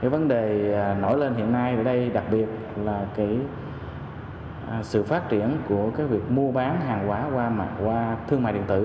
vấn đề nổi lên hiện nay ở đây đặc biệt là sự phát triển của việc mua bán hàng quái qua thương mại điện tử